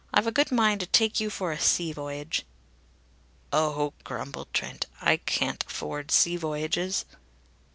I've a good mind to take you for a sea voyage." "Oh!" grumbled Trent. "I can't afford sea voyages."